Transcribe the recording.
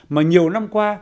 mà nhiều năm qua